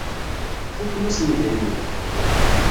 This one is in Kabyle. Fuken-as yidrimen.